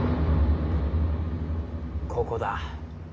ここだ。